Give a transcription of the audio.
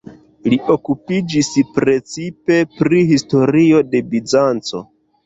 Li okupiĝis precipe pri historio de Bizanco.